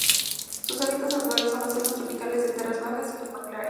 Sus hábitats naturales son los selvas tropicales de tierras bajas y los manglares.